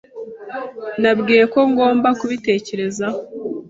Nabwiye ko ngomba kubitekerezaho.